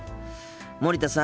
森田さん。